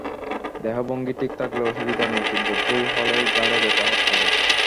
দেহভঙ্গি ঠিক থাকলে অসুবিধা নেই, কিন্তু ভুল হলেই ঘাড়ে ব্যথা হতে পারে।